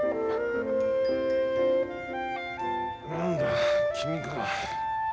何だ君か。